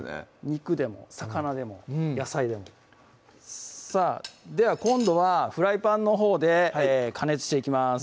肉でも魚でも野菜でもさぁでは今度はフライパンのほうで加熱していきます